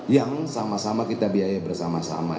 yang sama sama kita biaya bersama sama